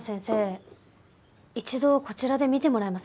一度こちらで診てもらえませんかね？